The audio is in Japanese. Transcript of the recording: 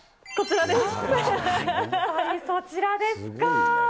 やはりそちらですか。